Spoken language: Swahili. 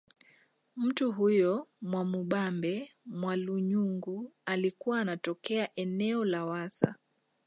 Mtu huyo Mwamubambe Mwalunyungu alikuwa anatokea eneo la Wassa